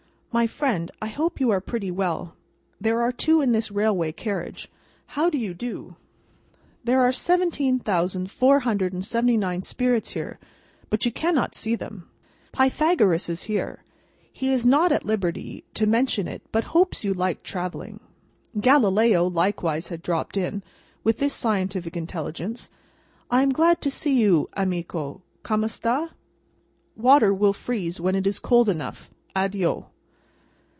"My friend, I hope you are pretty well. There are two in this railway carriage. How do you do? There are seventeen thousand four hundred and seventy nine spirits here, but you cannot see them. Pythagoras is here. He is not at liberty to mention it, but hopes you like travelling." Galileo likewise had dropped in, with this scientific intelligence. "I am glad to see you, amico. Come sta? Water will freeze when it is cold enough. Addio!"